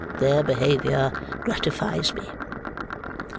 Their behaviour gratifies me.